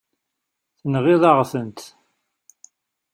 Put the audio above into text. Tenɣiḍ-aɣ-tent.